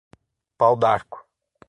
Pau-d'Arco